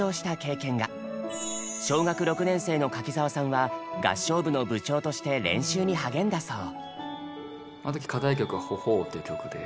小学６年生の柿澤さんは合唱部の部長として練習に励んだそう。